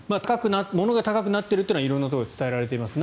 物が高くなっているというのは色んなところで伝えられています。